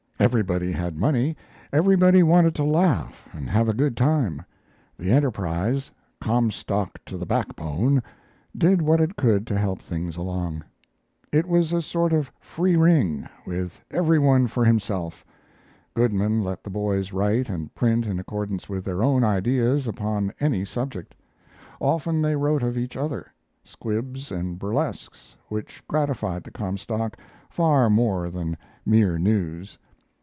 Everybody had, money; everybody wanted to laugh and have a good time. The Enterprise, "Comstock to the backbone," did what it could to help things along. It was a sort of free ring, with every one for himself. Goodman let the boys write and print in accordance with their own ideas and upon any subject. Often they wrote of each other squibs and burlesques, which gratified the Comstock far more than mere news.